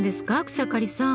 草刈さん。